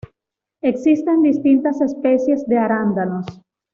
Existen distintas especies de arándanos.